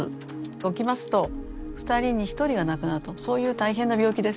起きますと２人に１人が亡くなるとそういう大変な病気です。